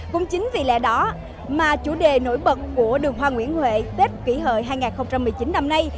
cũng chính vì lẽ đó mà chủ đề nổi bật của đường hoa nguyễn huệ tết kỷ hợi hai nghìn một mươi chín năm nay